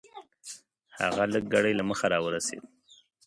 هغه لږ ګړی له مخه راورسېد .